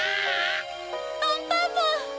アンパンマン！